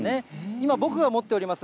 今、僕が持っております